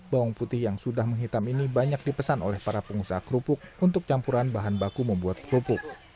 bawang putih yang sudah menghitam ini banyak dipesan oleh para pengusaha kerupuk untuk campuran bahan baku membuat kerupuk